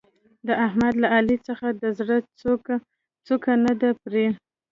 د احمد له علي څخه د زړه څوکه نه ده پرې.